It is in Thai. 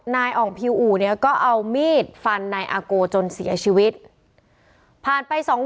อ่องพิวอู่เนี่ยก็เอามีดฟันนายอาโกจนเสียชีวิตผ่านไปสองวัน